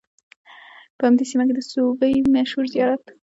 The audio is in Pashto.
په همدې سیمه کې د سوبۍ مشهور زیارت